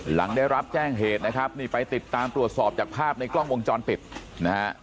หลังได้รับแจ้งเหตุนะครับนี่ไปติดตามตรวจสอบจากภาพในกล้องวงจรปิดนะฮะ